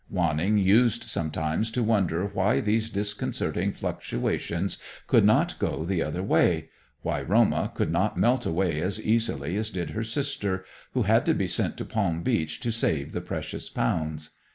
Wanning used sometimes to wonder why these disconcerting fluctuations could not go the other way; why Roma could not melt away as easily as did her sister, who had to be sent to Palm Beach to save the precious pounds.